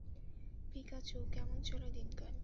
Pikachu, কেমন চলে দিনকাল?